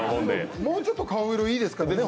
もうちょっと顔色いいですけどね。